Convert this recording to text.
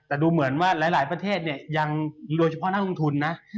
แต่ดูเหมือนว่าหลายประเทศเนี่ยยังโดยเฉพาะนักลงทุนนะ